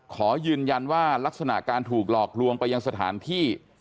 ขอยืนยันว่าลักษณะการถูกหลอกลวงไปยังสถานที่